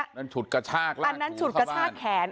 อันนั้นฉุดกระชากอันนั้นฉุดกระชากแขน